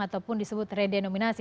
ataupun disebut redenominasi